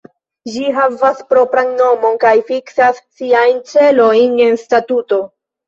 Ĝi havas propran nomon kaj fiksas siajn celojn en statuto.